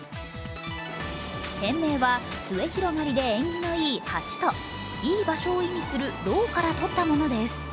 店名は末広がりで縁起のいい「八」といい場所を意味する「郎」から取ったものです。